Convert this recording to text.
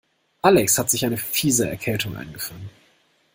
Alex hat sich eine fiese Erkältung eingefangen.